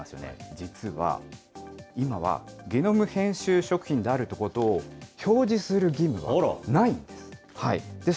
実は、今は、ゲノム編集食品であるということを表示する義務はないんです。